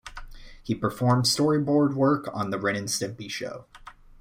He performed storyboard work on "The Ren and Stimpy Show"'.